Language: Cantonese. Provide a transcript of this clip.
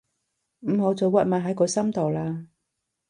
唔好再屈埋喺個心度喇